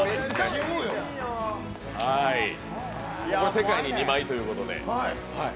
世界に２枚ということで。